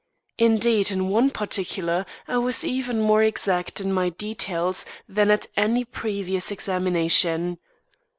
Indeed, in one particular I was even more exact in my details than at any previous examination.